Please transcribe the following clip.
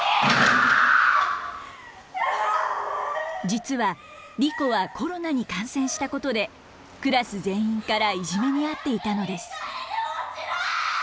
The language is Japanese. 実はリコはコロナに感染したことでクラス全員からいじめにあっていたのです。